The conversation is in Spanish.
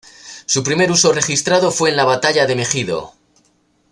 Su primer uso registrado fue en la Batalla de Megido.